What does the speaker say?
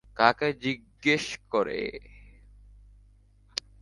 কাকে জিজ্ঞেস করে?